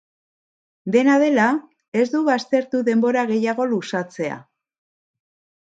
Dena dela, ez du baztertu denbora gehiago luzatzea.